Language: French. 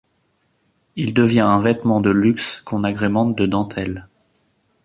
Il devient un vêtement de luxe qu'on agrémente de dentelle.